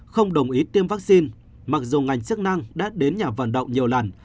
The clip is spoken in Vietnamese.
không đồng ý tiêm vaccine mặc dù ngành chức năng đã đến nhà vận động nhiều lần